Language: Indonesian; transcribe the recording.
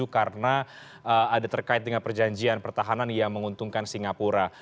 karena ada terkait dengan perjanjian pertahanan yang menguntungkan singapura